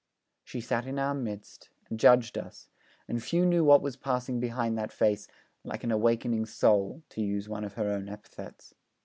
She sat in our midst, and judged us, and few knew what was passing behind that face 'like an awakening soul,' to use one of her own epithets.